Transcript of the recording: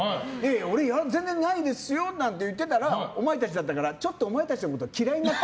俺、全然ないですよって言ってたのにＭＣがお前たちだったからお前たちのことが嫌いになった。